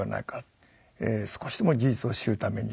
少しでも事実を知るために。